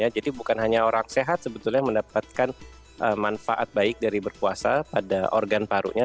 bukan hanya orang sehat sebetulnya mendapatkan manfaat baik dari berpuasa pada organ parunya